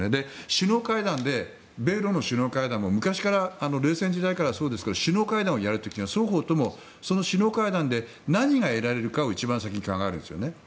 首脳会談で米ロの首脳会談も昔から冷戦時代からそうですが首脳会談をやる時には双方ともその首脳会談で何が得られるかを一番先に考えるんですよね。